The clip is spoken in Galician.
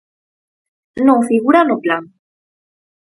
Non figura no plan.